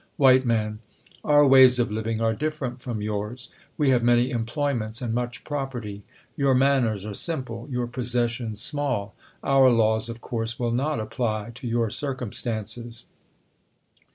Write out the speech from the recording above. W, Man, Our ways of living are different from yours. We have many employments and much prop erty : your manners are simple, your possessions small ; our laws, of course, will not ypply to your circumstances.